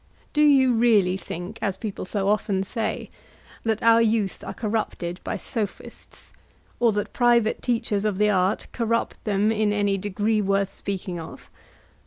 Do you really think, as people so often say, that our youth are corrupted by Sophists, or that private teachers of the art corrupt them in any degree worth speaking of?